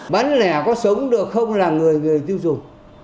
bán lẻ có sống được không là người người tiêu dùng